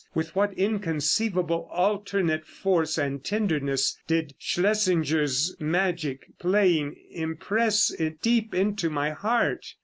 With what inconceivable alternate force and tenderness did Schlesinger's magic playing impress it deep into my heart!